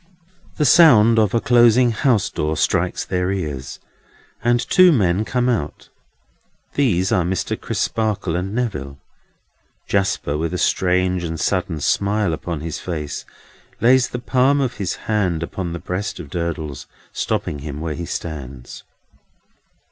The sound of a closing house door strikes their ears, and two men come out. These are Mr. Crisparkle and Neville. Jasper, with a strange and sudden smile upon his face, lays the palm of his hand upon the breast of Durdles, stopping him where he stands.